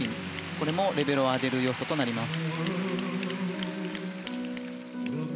これもレベルを上げる要素となります。